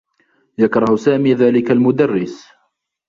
يكره سامي ذلك المدرّس.